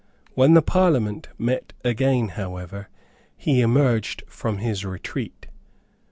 When the Parliament met again, however, he emerged from his retreat.